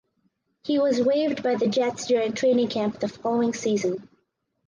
He was waived by the Jets during training camp the following season.